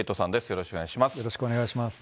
よろしくお願いします。